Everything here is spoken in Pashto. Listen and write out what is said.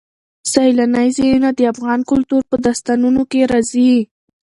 سیلانی ځایونه د افغان کلتور په داستانونو کې راځي.